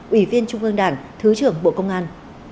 ủy viên trung ương đảng thứ trưởng bộ công an